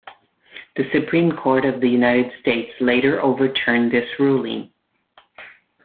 The Supreme Court of the United States later overturned this ruling.